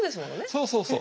そうそうそう。